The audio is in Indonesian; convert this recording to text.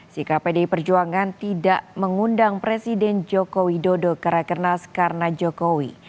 sikap pdi perjuangan tidak mengundang presiden joko widodo ke rakernas karena jokowi